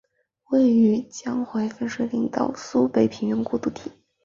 位于江淮分水岭到苏北平原过度地。